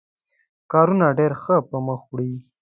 کارونه ډېر ښه پر مخ وړي.